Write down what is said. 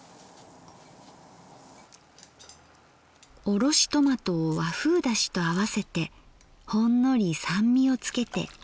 おろしトマトを和風だしと合わせてほんのり酸味をつけて。